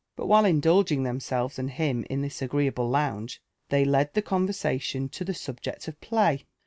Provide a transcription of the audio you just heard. But while indulging themselves and him in this agreeable lounge, they led the conversation to the subject of play.